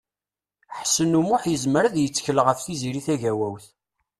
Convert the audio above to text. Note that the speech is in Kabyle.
Ḥsen U Muḥ yezmer ad yettkel ɣef Tiziri Tagawawt.